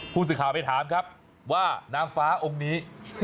ผู้สื่อข่าวไปถามครับว่านางฟ้าองค์นี้